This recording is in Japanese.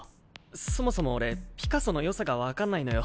そもそも俺ピカソのよさが分かんないのよ。